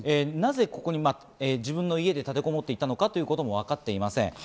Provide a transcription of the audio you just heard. なぜ自分の家で立てこもっていたのかということも分かっていません。